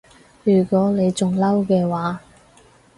如果你仲嬲嘅話